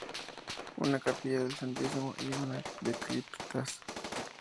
Una capilla del santísimo y una de criptas.